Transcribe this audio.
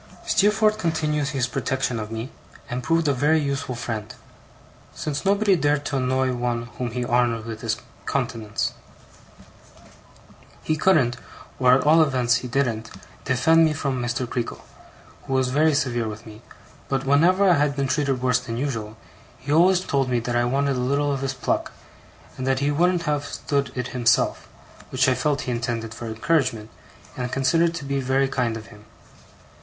Steerforth continued his protection of me, and proved a very useful friend; since nobody dared to annoy one whom he honoured with his countenance. He couldn't or at all events he didn't defend me from Mr. Creakle, who was very severe with me; but whenever I had been treated worse than usual, he always told me that I wanted a little of his pluck, and that he wouldn't have stood it himself; which I felt he intended for encouragement, and considered to be very kind of him.